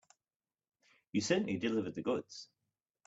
You certainly delivered the goods.